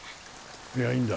いやいいんだ。